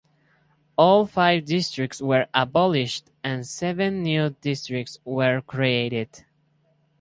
All five districts were abolished, and seven "new" districts were created.